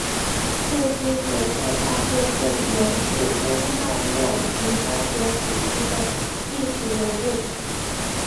这些角色大部份源自东汉末及三国时期的历史人物。